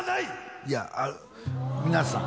いやあ皆さん